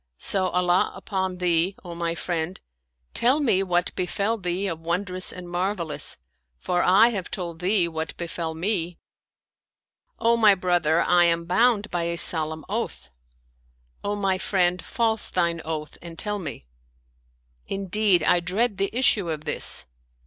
So, Allah upon thee, O my friend, tell me what befell thee of wondrous and marvelous, for I have told thee what befell me." " O my brother, I am bound by a solemn oath." " O my friend, false thine oath and tell me." " Indeed, I dread the issue of this."